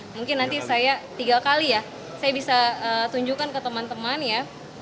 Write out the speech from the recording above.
mungkin nanti saya tiga kali ya saya bisa tunjukkan ke teman teman ya